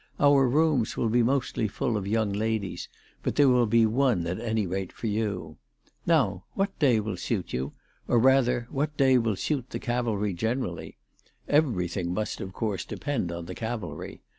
Our rooms will be mostly full of young ladies, but there will be one at any rate for you. Now, what day will suit you, or rather what day will suit the Cavalry generally ? Everything must of course depend on the Cavalry.